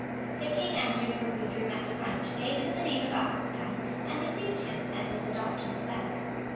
The king answered for Guthrum at the font, gave him the name of Athelstan, and received him as his adopted son.